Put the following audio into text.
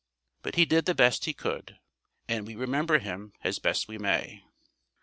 But he did the best he could, and we remember him as best we may.